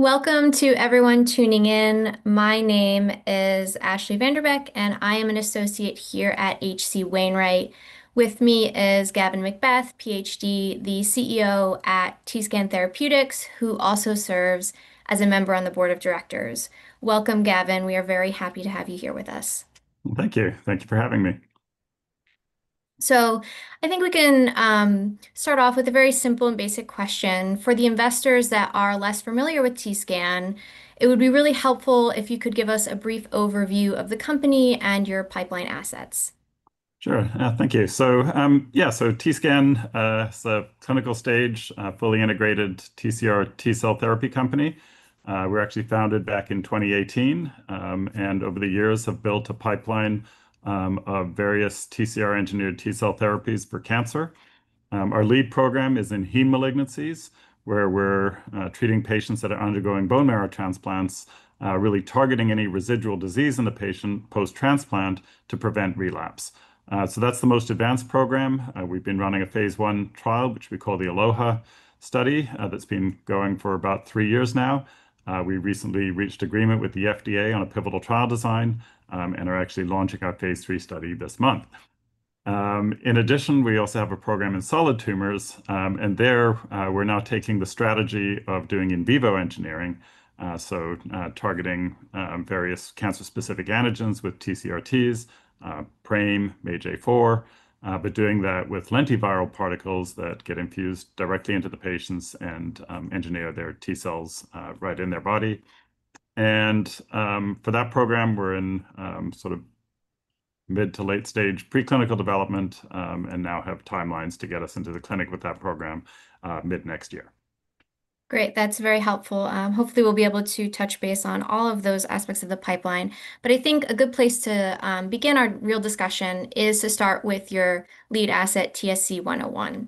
Welcome to everyone tuning in. My name is Ashley Vanderbeck, and I am an associate here at H.C. Wainwright. With me is Gavin MacBeath, PhD, the CEO at TScan Therapeutics, who also serves as a member on the board of directors. Welcome, Gavin. We are very happy to have you here with us. Thank you. Thank you for having me. I think we can start off with a very simple and basic question. For the investors that are less familiar with TScan, it would be really helpful if you could give us a brief overview of the company and your pipeline assets. Sure. Thank you. TScan is a clinical stage, fully integrated TCR T-cell therapy company. We were actually founded back in 2018, and over the years have built a pipeline of various TCR-engineered T-cell therapies for cancer. Our lead program is in heme malignancies, where we're treating patients that are undergoing bone marrow transplants, really targeting any residual disease in the patient post-transplant to prevent relapse. That's the most advanced program. We've been running a phase I trial, which we call the ALLOHA study, that's been going for about three years now. We recently reached agreement with the FDA on a pivotal trial design and are actually launching our phase III study this month. In addition, we also have a program in solid tumors. There, we're now taking the strategy of doing in vivo engineering, so targeting various cancer-specific antigens with TCRTs, PRAME, MAGE-A4, but doing that with lentiviral particles that get infused directly into the patients and engineer their T cells right in their body. For that program, we're in sort of mid to late stage preclinical development, and now have timelines to get us into the clinic with that program mid-next year. Great. That's very helpful. Hopefully, we'll be able to touch base on all of those aspects of the pipeline. I think a good place to begin our real discussion is to start with your lead asset, TSC-101.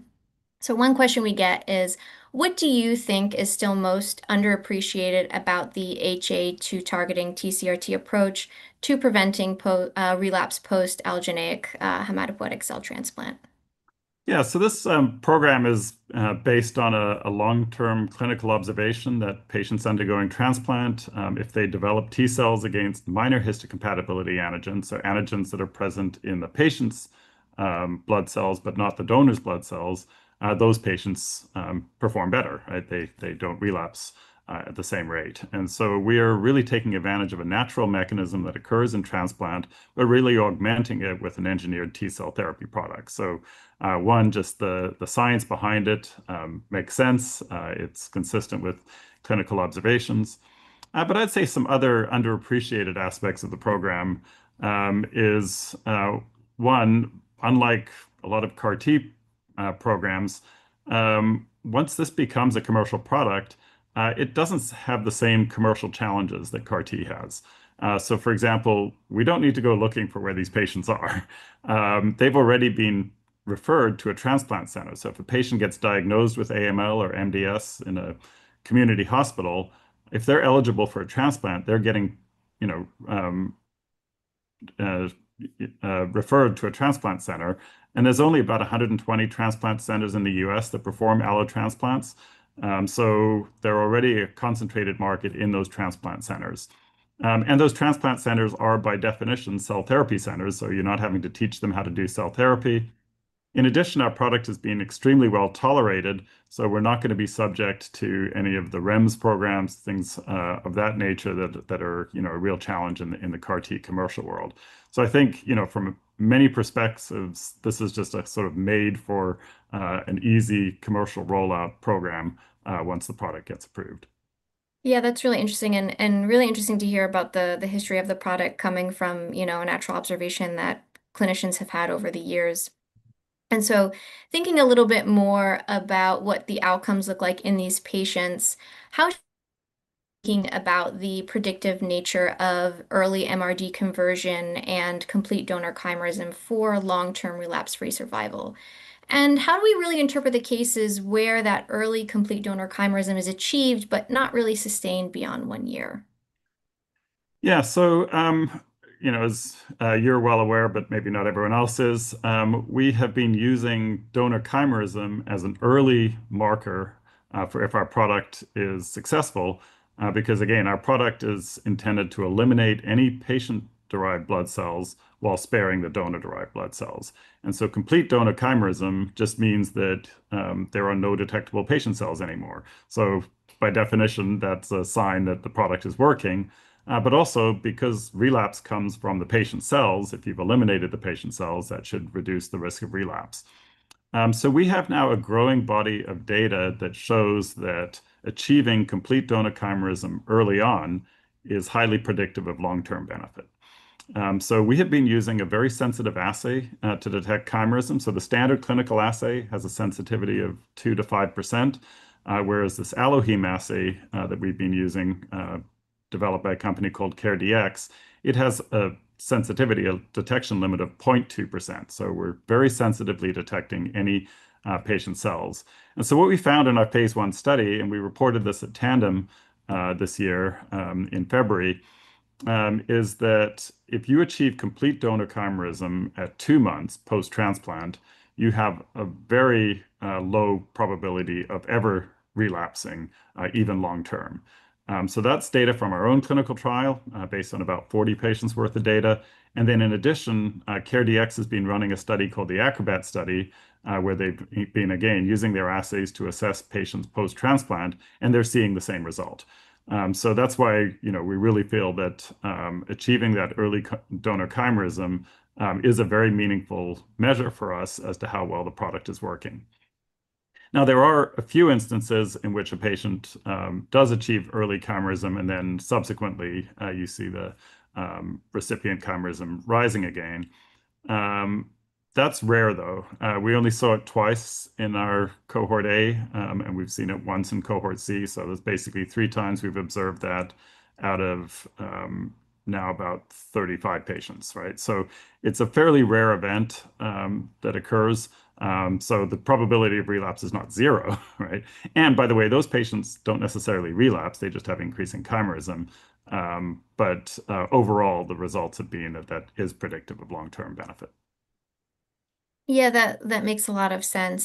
One question we get is, what do you think is still most underappreciated about the HA-2 targeting TCRT approach to preventing relapse post allogeneic hematopoietic cell transplant? This program is based on a long-term clinical observation that patients undergoing transplant, if they develop T cells against minor histocompatibility antigens that are present in the patient's blood cells, but not the donor's blood cells, those patients perform better. They don't relapse at the same rate. We are really taking advantage of a natural mechanism that occurs in transplant, but really augmenting it with an engineered T cell therapy product. One, just the science behind it makes sense. It's consistent with clinical observations. I'd say some other underappreciated aspects of the program is one, unlike a lot of CAR T programs, once this becomes a commercial product, it doesn't have the same commercial challenges that CAR T has. For example, we don't need to go looking for where these patients are. They've already been referred to a transplant center. If a patient gets diagnosed with AML or MDS in a community hospital, if they're eligible for a transplant, they're getting referred to a transplant center, and there's only about 120 transplant centers in the U.S. that perform allo transplants. They're already a concentrated market in those transplant centers. Those transplant centers are, by definition, cell therapy centers, so you're not having to teach them how to do cell therapy. In addition, our product is being extremely well tolerated, so we're not going to be subject to any of the REMS programs, things of that nature that are a real challenge in the CAR T commercial world. I think from many perspectives, this is just a sort of made for an easy commercial rollout program once the product gets approved. Yeah, that's really interesting and really interesting to hear about the history of the product coming from a natural observation that clinicians have had over the years. Thinking a little bit more about what the outcomes look like in these patients, how thinking about the predictive nature of early MRD conversion and complete donor chimerism for long-term relapse-free survival. How do we really interpret the cases where that early complete donor chimerism is achieved but not really sustained beyond one year? Yeah. As you're well aware, but maybe not everyone else is, we have been using donor chimerism as an early marker for if our product is successful, because again, our product is intended to eliminate any patient-derived blood cells while sparing the donor-derived blood cells. Complete donor chimerism just means that there are no detectable patient cells anymore. By definition, that's a sign that the product is working. Also because relapse comes from the patient's cells, if you've eliminated the patient cells, that should reduce the risk of relapse. We have now a growing body of data that shows that achieving complete donor chimerism early on is highly predictive of long-term benefit. We have been using a very sensitive assay to detect chimerism, the standard clinical assay has a sensitivity of 2%-5%, whereas this AlloHeme assay that we've been using, developed by a company called CareDx, it has a sensitivity, a detection limit of 0.2%. We're very sensitively detecting any patient cells. What we found in our phase I study, and we reported this at Tandem this year in February is that if you achieve complete donor chimerism at two months post-transplant, you have a very low probability of ever relapsing, even long term. That's data from our own clinical trial based on about 40 patients' worth of data. In addition, CareDx has been running a study called the ACROBAT study, where they've been, again, using their assays to assess patients post-transplant, and they're seeing the same result. That's why we really feel that achieving that early donor chimerism is a very meaningful measure for us as to how well the product is working. Now, there are a few instances in which a patient does achieve early chimerism, and then subsequently, you see the recipient chimerism rising again. That's rare, though. We only saw it twice in our cohort A, and we've seen it once in cohort C, that's basically three times we've observed that out of now about 35 patients. It's a fairly rare event that occurs. The probability of relapse is not zero, right? By the way, those patients don't necessarily relapse, they just have increasing chimerism. Overall, the results have been that is predictive of long-term benefit. Yeah, that makes a lot of sense.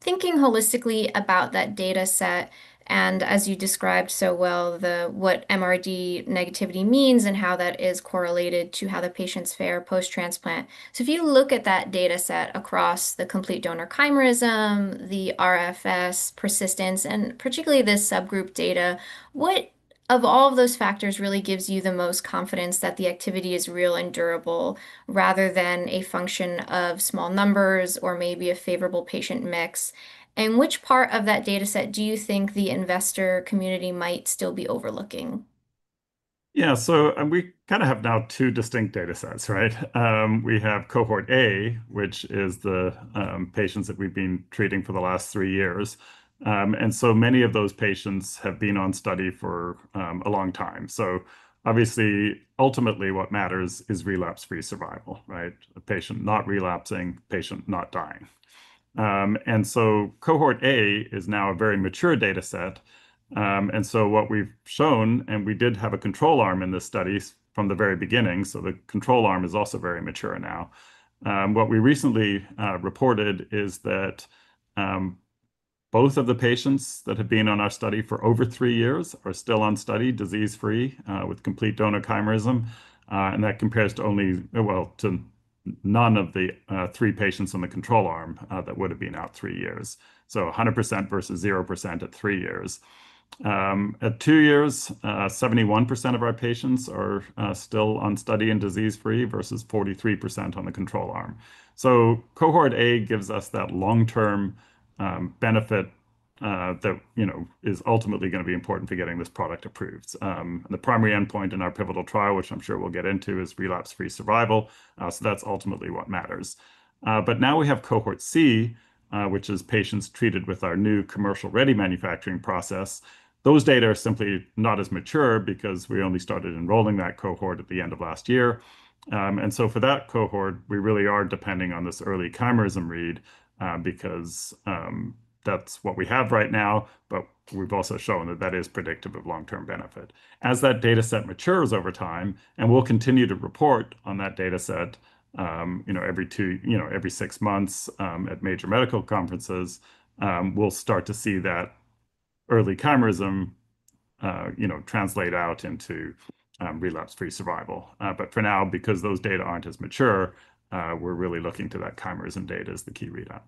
Thinking holistically about that data set and as you described so well what MRD negativity means and how that is correlated to how the patients fare post-transplant. If you look at that data set across the complete donor chimerism, the RFS persistence, and particularly this subgroup data, what of all of those factors really gives you the most confidence that the activity is real and durable rather than a function of small numbers or maybe a favorable patient mix? Which part of that data set do you think the investor community might still be overlooking? Yeah. We kind of have now two distinct data sets, right? We have cohort A, which is the patients that we've been treating for the last three years. Many of those patients have been on study for a long time. Obviously, ultimately, what matters is relapse-free survival, right? A patient not relapsing, patient not dying. Cohort A is now a very mature data set. What we've shown, and we did have a control arm in the studies from the very beginning, the control arm is also very mature now. What we recently reported is that both of the patients that have been on our study for over three years are still on study, disease-free, with complete donor chimerism. That compares to none of the three patients on the control arm that would have been out three years. 100% versus 0% at three years. At two years, 71% of our patients are still on study and disease-free versus 43% on the control arm. Cohort A gives us that long-term benefit that is ultimately going to be important to getting this product approved. The primary endpoint in our pivotal trial, which I'm sure we'll get into, is relapse-free survival. That's ultimately what matters. Now we have cohort C, which is patients treated with our new commercial-ready manufacturing process. Those data are simply not as mature because we only started enrolling that cohort at the end of last year. For that cohort, we really are depending on this early chimerism read because that's what we have right now, but we've also shown that that is predictive of long-term benefit. As that data set matures over time, and we'll continue to report on that data set every six months at major medical conferences, we'll start to see that early chimerism translate out into relapse-free survival. For now, because those data aren't as mature, we're really looking to that chimerism data as the key readout.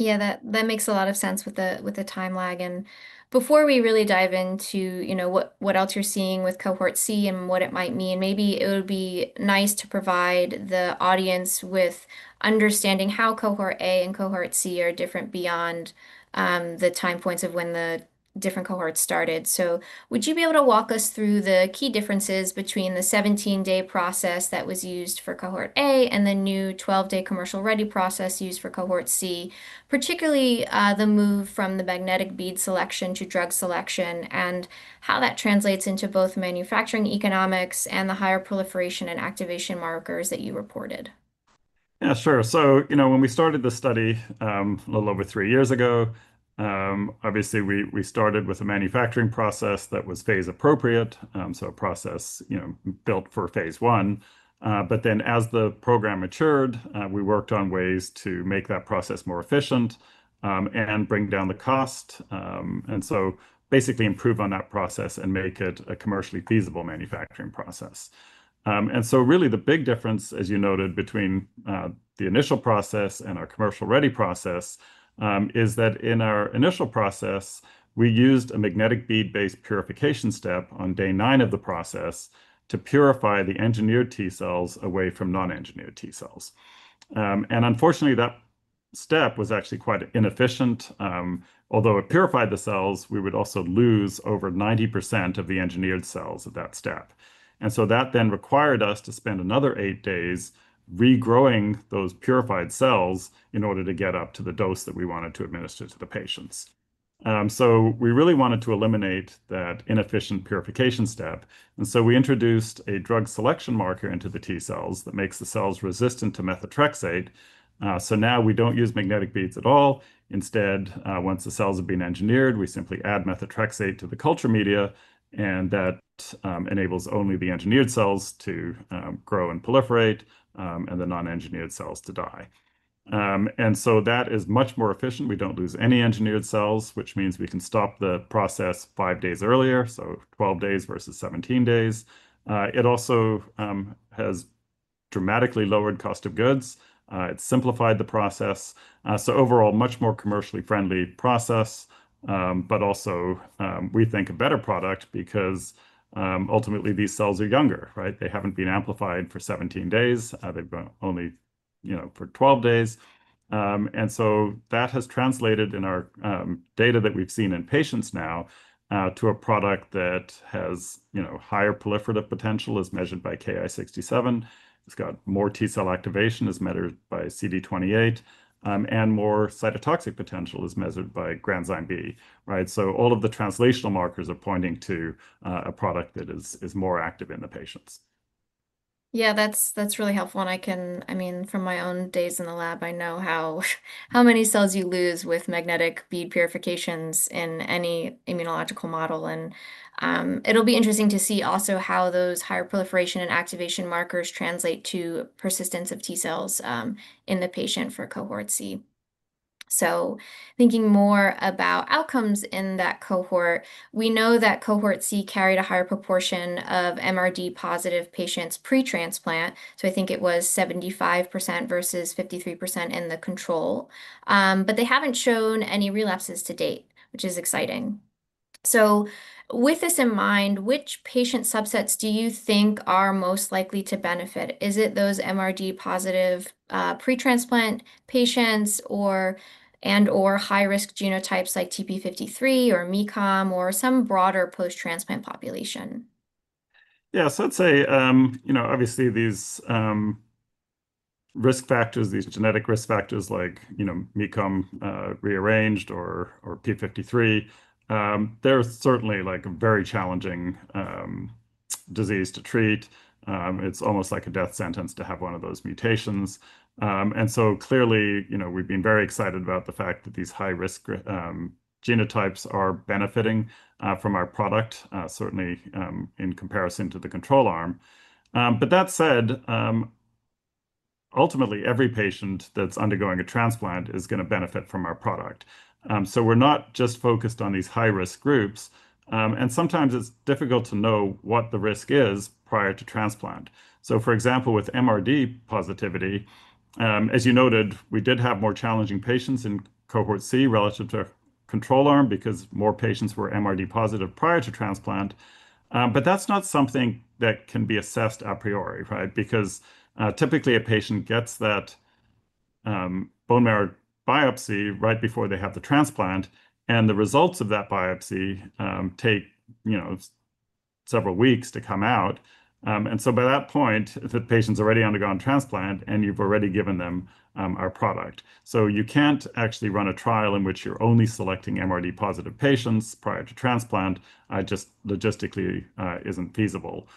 Yeah, that makes a lot of sense with the time lag. Before we really dive into what else you're seeing with cohort C and what it might mean, maybe it would be nice to provide the audience with understanding how cohort A and cohort C are different beyond the time points of when the different cohorts started. Would you be able to walk us through the key differences between the 17-day process that was used for cohort A and the new 12-day commercial-ready process used for cohort C, particularly the move from the magnetic bead selection to drug selection, and how that translates into both manufacturing economics and the higher proliferation and activation markers that you reported? Yeah, sure. When we started this study a little over three years ago, obviously we started with a manufacturing process that was phase appropriate, a process built for phase I. As the program matured, we worked on ways to make that process more efficient and bring down the cost. Basically improve on that process and make it a commercially feasible manufacturing process. Really the big difference, as you noted, between the initial process and our commercial-ready process, is that in our initial process, we used a magnetic bead-based purification step on Day 9 of the process to purify the engineered T cells away from non-engineered T cells. Unfortunately, that step was actually quite inefficient. Although it purified the cells, we would also lose over 90% of the engineered cells at that step. That then required us to spend another eight days regrowing those purified cells in order to get up to the dose that we wanted to administer to the patients. We really wanted to eliminate that inefficient purification step. We introduced a drug selection marker into the T cells that makes the cells resistant to methotrexate. Now we don't use magnetic beads at all. Instead, once the cells have been engineered, we simply add methotrexate to the culture media, and that enables only the engineered cells to grow and proliferate, and the non-engineered cells to die. That is much more efficient. We don't lose any engineered cells, which means we can stop the process five days earlier, 12 days versus 17 days. It also has dramatically lowered cost of goods. It's simplified the process. Overall, much more commercially friendly process. Also, we think, a better product because, ultimately, these cells are younger. They haven't been amplified for 17 days. They've been only for 12 days. That has translated in our data that we've seen in patients now to a product that has higher proliferative potential as measured by Ki-67. It's got more T cell activation as measured by CD28, and more cytotoxic potential as measured by granzyme B. All of the translational markers are pointing to a product that is more active in the patients. That's really helpful. From my own days in the lab, I know how many cells you lose with magnetic bead purifications in any immunological model. It'll be interesting to see also how those higher proliferation and activation markers translate to persistence of T cells in the patient for cohort C. Thinking more about outcomes in that cohort, we know that cohort C carried a higher proportion of MRD positive patients pre-transplant. I think it was 75% versus 53% in the control. They haven't shown any relapses to date, which is exciting. With this in mind, which patient subsets do you think are most likely to benefit? Is it those MRD positive pre-transplant patients, and/or high-risk genotypes like TP53 or MYC, or some broader post-transplant population? Yeah. I'd say, obviously, these genetic risk factors like MYC rearranged or TP53, they're certainly a very challenging disease to treat. It's almost like a death sentence to have one of those mutations. Clearly, we've been very excited about the fact that these high-risk genotypes are benefiting from our product, certainly, in comparison to the control arm. That said, ultimately, every patient that's undergoing a transplant is going to benefit from our product. We're not just focused on these high-risk groups. Sometimes it's difficult to know what the risk is prior to transplant. For example, with MRD positivity, as you noted, we did have more challenging patients in cohort C relative to our control arm because more patients were MRD positive prior to transplant. That's not something that can be assessed a priori. Typically, a patient gets that bone marrow biopsy right before they have the transplant, and the results of that biopsy take several weeks to come out. By that point, the patient's already undergone transplant, and you've already given them our product. You can't actually run a trial in which you're only selecting MRD positive patients prior to transplant. Just logistically isn't feasible.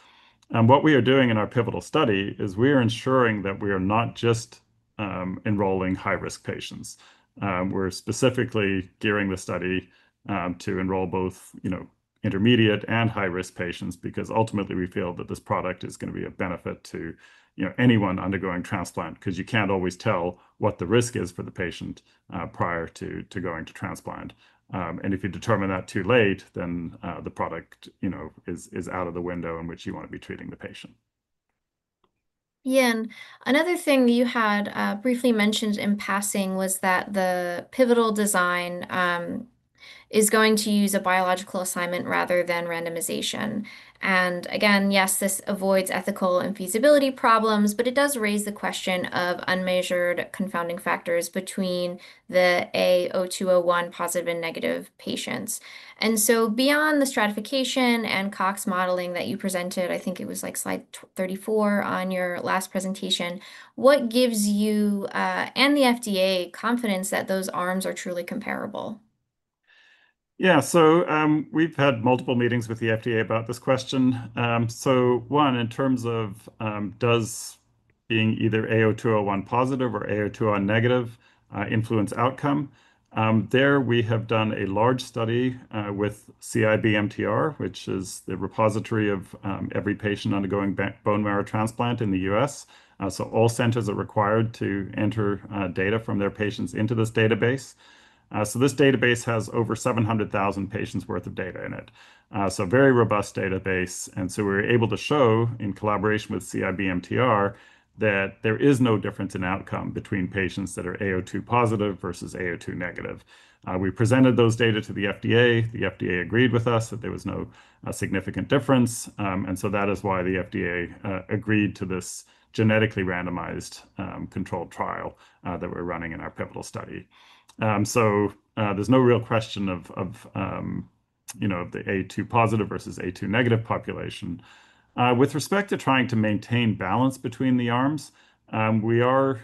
What we are doing in our pivotal study is we are ensuring that we are not just enrolling high-risk patients. We're specifically gearing the study to enroll both intermediate and high-risk patients, because ultimately, we feel that this product is going to be of benefit to anyone undergoing transplant, because you can't always tell what the risk is for the patient prior to going to transplant. If you determine that too late, the product is out of the window in which you want to be treating the patient. Another thing that you had briefly mentioned in passing was that the pivotal design is going to use a biological assignment rather than randomization. Again, yes, this avoids ethical and feasibility problems, but it does raise the question of unmeasured confounding factors between the HLA-A*02:01 positive and negative patients. Beyond the stratification and Cox modeling that you presented, I think it was slide 34 on your last presentation, what gives you and the FDA confidence that those arms are truly comparable? We've had multiple meetings with the FDA about this question. One, in terms of does being either HLA-A*02:01 positive or HLA-A*02:01 negative influence outcome? There we have done a large study with CIBMTR, which is the repository of every patient undergoing bone marrow transplant in the U.S. All centers are required to enter data from their patients into this database. This database has over 700,000 patients' worth of data in it. Very robust database. We're able to show, in collaboration with CIBMTR, that there is no difference in outcome between patients that are A2 positive versus A2 negative. We presented those data to the FDA. The FDA agreed with us that there was no significant difference. That is why the FDA agreed to this genetically randomized controlled trial that we're running in our pivotal study. There's no real question of the A2 positive versus A2 negative population. With respect to trying to maintain balance between the arms, we are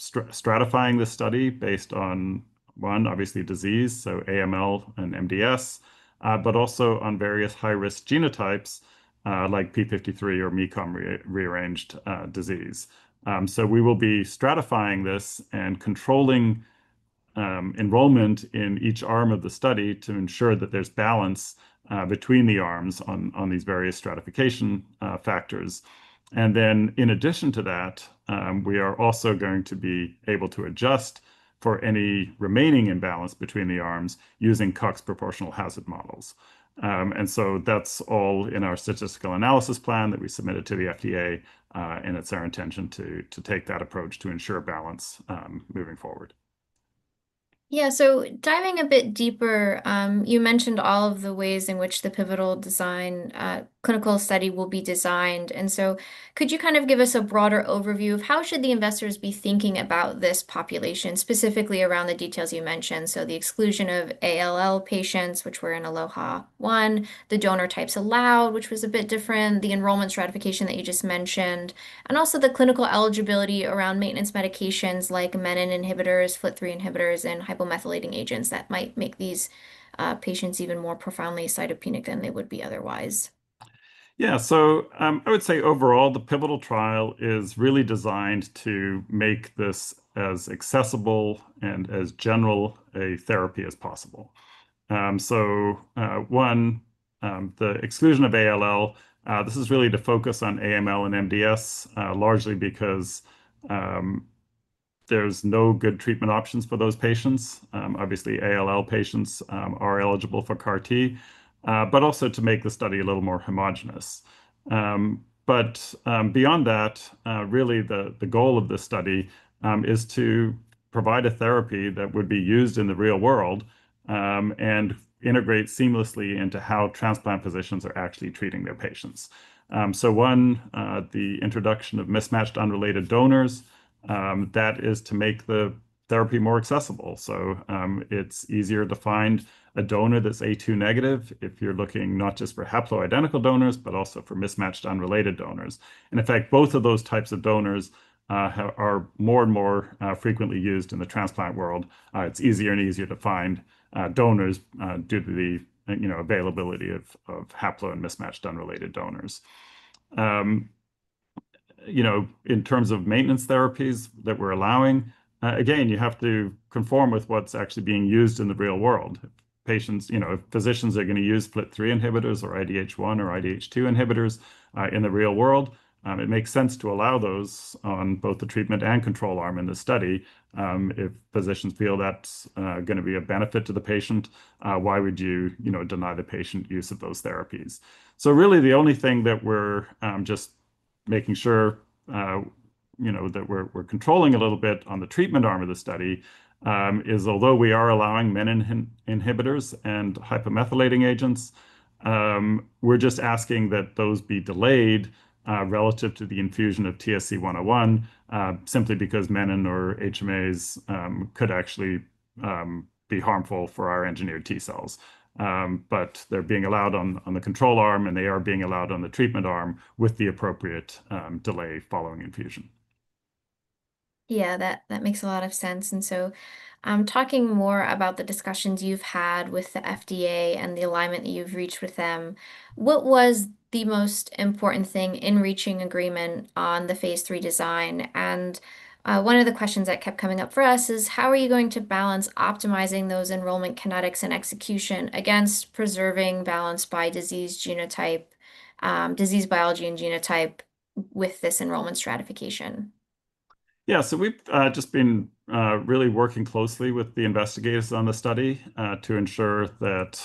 stratifying the study based on, one, obviously disease, AML and MDS, but also on various high-risk genotypes like P53 or MECOM rearranged disease. We will be stratifying this and controlling enrollment in each arm of the study to ensure that there's balance between the arms on these various stratification factors. In addition to that, we are also going to be able to adjust for any remaining imbalance between the arms using Cox proportional hazards model. That's all in our statistical analysis plan that we submitted to the FDA, and it's our intention to take that approach to ensure balance moving forward. Diving a bit deeper, you mentioned all of the ways in which the pivotal design clinical study will be designed. Could you give us a broader overview of how should the investors be thinking about this population, specifically around the details you mentioned, the exclusion of ALL patients, which were in ALLOHA phase I, the donor types allowed, which was a bit different, the enrollment stratification that you just mentioned, and also the clinical eligibility around maintenance medications like menin inhibitors, FLT3 inhibitors, and hypomethylating agents that might make these patients even more profoundly cytopenic than they would be otherwise? I would say overall, the pivotal trial is really designed to make this as accessible and as general a therapy as possible. One, the exclusion of ALL, this is really to focus on AML and MDS, largely because there's no good treatment options for those patients. Obviously, ALL patients are eligible for CAR T, but also to make the study a little more homogenous. Beyond that, really the goal of this study is to provide a therapy that would be used in the real world, and integrate seamlessly into how transplant physicians are actually treating their patients. One, the introduction of mismatched unrelated donors, that is to make the therapy more accessible. It's easier to find a donor that's A2 negative if you're looking not just for haploidentical donors, but also for mismatched unrelated donors. In fact, both of those types of donors are more and more frequently used in the transplant world. It's easier and easier to find donors due to the availability of haplo and mismatched unrelated donors. In terms of maintenance therapies that we're allowing, again, you have to conform with what's actually being used in the real world. If physicians are going to use FLT3 inhibitors or IDH1 or IDH2 inhibitors in the real world, it makes sense to allow those on both the treatment and control arm in the study. If physicians feel that's going to be a benefit to the patient, why would you deny the patient use of those therapies? Really the only thing that we're just making sure that we're controlling a little bit on the treatment arm of the study is although we are allowing menin inhibitors and hypomethylating agents, we're just asking that those be delayed relative to the infusion of TSC-101, simply because menin or HMAs could actually be harmful for our engineered T cells. They're being allowed on the control arm, and they are being allowed on the treatment arm with the appropriate delay following infusion. Yeah, that makes a lot of sense. Talking more about the discussions you've had with the FDA and the alignment that you've reached with them, what was the most important thing in reaching agreement on the phase III design? One of the questions that kept coming up for us is how are you going to balance optimizing those enrollment kinetics and execution against preserving balance by disease biology, and genotype with this enrollment stratification? We've just been really working closely with the investigators on the study to ensure that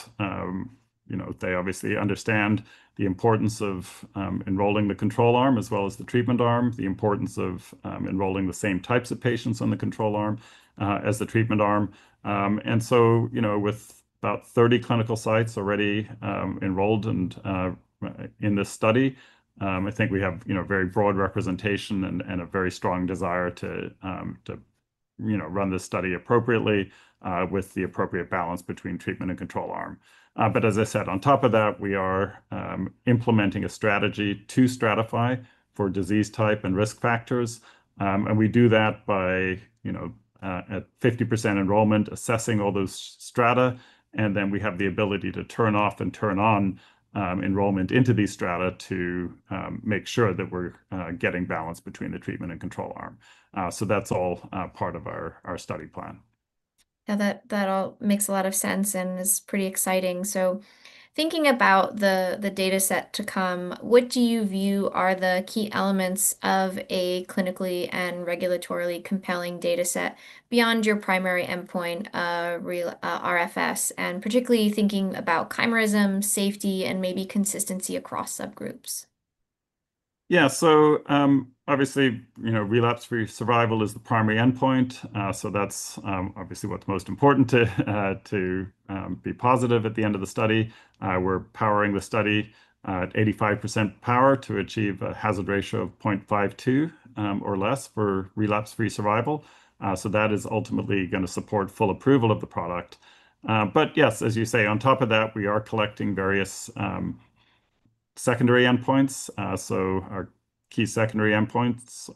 they obviously understand the importance of enrolling the control arm as well as the treatment arm, the importance of enrolling the same types of patients on the control arm as the treatment arm. With about 30 clinical sites already enrolled in this study, I think we have very broad representation and a very strong desire to run this study appropriately with the appropriate balance between treatment and control arm. As I said, on top of that, we are implementing a strategy to stratify for disease type and risk factors. We do that by, at 50% enrollment, assessing all those strata, then we have the ability to turn off and turn on enrollment into these strata to make sure that we're getting balance between the treatment and control arm. That's all part of our study plan. That all makes a lot of sense and is pretty exciting. Thinking about the data set to come, what do you view are the key elements of a clinically and regulatorily compelling data set beyond your primary endpoint RFS, and particularly thinking about chimerism, safety, and maybe consistency across subgroups? Obviously, relapse-free survival is the primary endpoint. That's obviously what's most important to be positive at the end of the study. We're powering the study at 85% power to achieve a hazard ratio of 0.52 or less for relapse-free survival. That is ultimately going to support full approval of the product. Yes, as you say, on top of that, we are collecting various secondary endpoints. Our key secondary endpoints,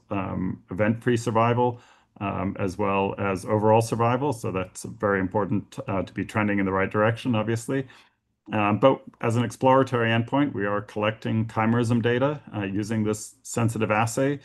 event-free survival, as well as overall survival. That's very important to be trending in the right direction, obviously. As an exploratory endpoint, we are collecting chimerism data using this sensitive assay,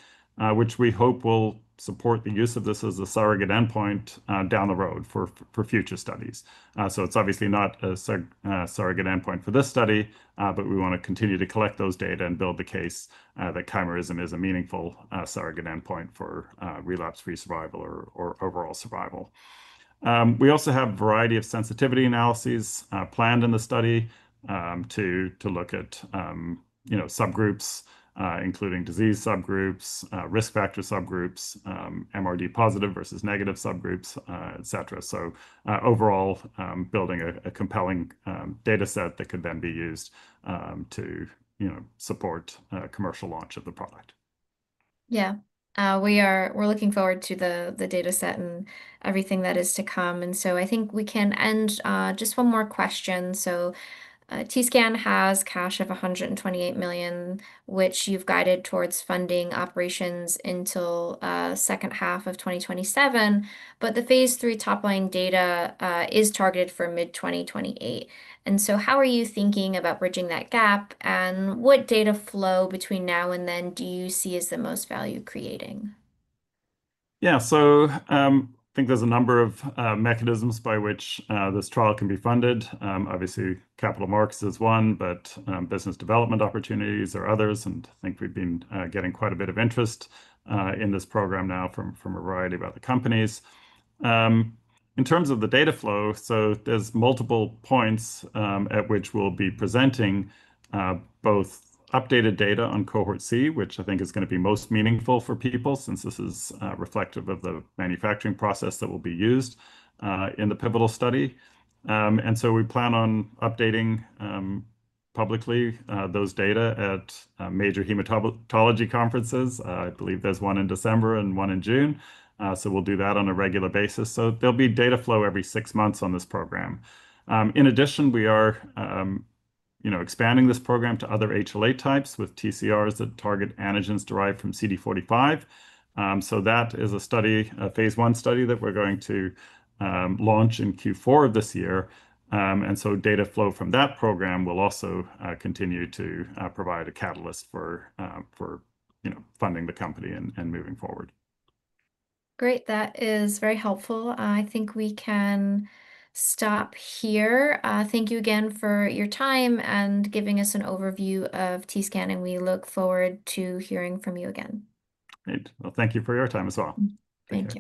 which we hope will support the use of this as a surrogate endpoint down the road for future studies. It's obviously not a surrogate endpoint for this study, but we want to continue to collect those data and build the case that donor chimerism is a meaningful surrogate endpoint for relapse-free survival or overall survival. We also have a variety of sensitivity analyses planned in the study to look at subgroups, including disease subgroups, risk factor subgroups, MRD positive versus negative subgroups, et cetera. Overall, building a compelling data set that could then be used to support commercial launch of the product. We're looking forward to the data set and everything that is to come. I think we can end, just one more question. TScan has cash of $128 million, which you've guided towards funding operations until second half of 2027, but the phase III top-line data is targeted for mid-2028. How are you thinking about bridging that gap, and what data flow between now and then do you see as the most value-creating? I think there's a number of mechanisms by which this trial can be funded. Capital markets is one, but business development opportunities are others, and I think we've been getting quite a bit of interest in this program now from a variety of other companies. In terms of the data flow, there's multiple points at which we'll be presenting both updated data on cohort C, which I think is going to be most meaningful for people, since this is reflective of the manufacturing process that will be used in the pivotal study. We plan on updating publicly those data at major hematology conferences. I believe there's one in December and one in June. We'll do that on a regular basis. There'll be data flow every six months on this program. In addition, we are expanding this program to other HLA types with TCRs that target antigens derived from CD45. That is a phase I study that we're going to launch in Q4 of this year. Data flow from that program will also continue to provide a catalyst for funding the company and moving forward. Great. That is very helpful. I think we can stop here. Thank you again for your time and giving us an overview of TScan. We look forward to hearing from you again. Great. Well, thank you for your time as well. Thank you.